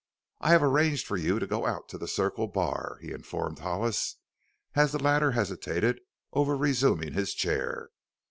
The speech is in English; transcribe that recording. I have arranged for you to go out to the Circle Bar," he informed Hollis as the latter hesitated over resuming his chair.